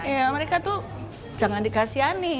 ya mereka tuh jangan dikasihani